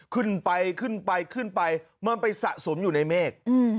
ขึ้นไปขึ้นไปขึ้นไปมันไปสะสมอยู่ในเมฆ